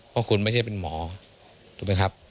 เพราะคุณไม่ใช่เป็นหมอถูกไหมครับ